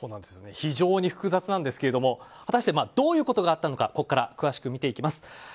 非常に複雑なんですけども果たしてどういうことがあったかここから詳しく見ていきます。